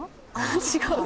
違う？